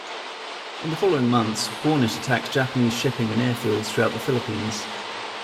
In the following months, "Hornet" attacked Japanese shipping and airfields throughout the Philippines.